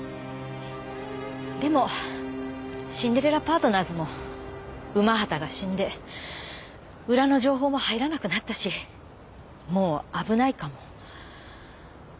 でもシンデレラパートナーズも午端が死んで裏の情報も入らなくなったしもう危ないかも。